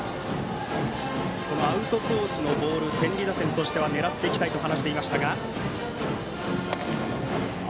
アウトコースのボールを天理打線としては狙っていきたいと話していました。